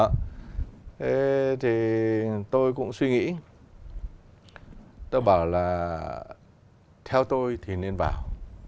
thế thì tôi cũng suy nghĩ tôi bảo là theo tôi thì nên vào